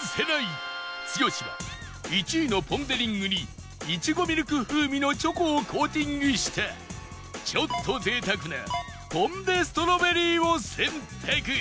剛は１位のポン・デ・リングにイチゴミルク風味のチョコをコーティングしたちょっと贅沢なポン・デ・ストロベリーを選択